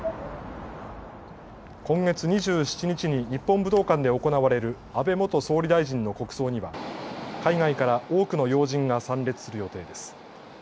今月２７日に日本武道館で行われる安倍元総理大臣の国葬には海外から多くの要人が参列する予定です。